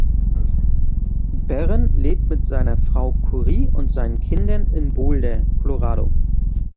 Barron lebt mit seiner Frau Currie und seinen Kindern in Boulder, Colorado.